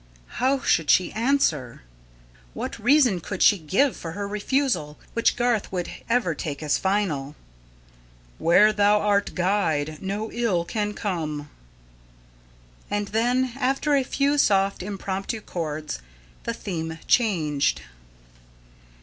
How should she answer? What reason could she give for her refusal which Garth would ever take as final? "Where Thou art Guide, no ill can come." And then, after a few soft, impromptu chords; the theme changed.